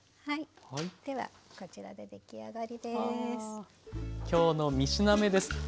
はいではこちらで出来上がりです。